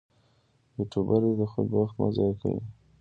یوټوبر دې د خلکو وخت مه ضایع کوي.